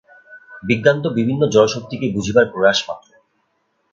বিজ্ঞান তো বিভিন্ন জড়শক্তিকে বুঝিবার প্রয়াস মাত্র।